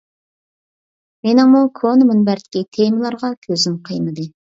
مېنىڭمۇ كونا مۇنبەردىكى تېمىلارغا كۆزۈم قىيمىدى.